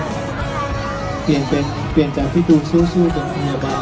ถ้าเห็นไปได้เปลี่ยนจำที่ดูซู่ซู่เป็นพยาบาล